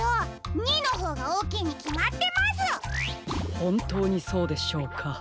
ほんとうにそうでしょうか？